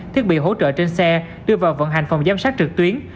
thiết bị hỗ trợ trên xe đưa vào vận hành phòng giám sát trực tuyến